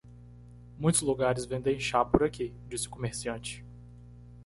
"Muitos lugares vendem chá por aqui?", disse o comerciante.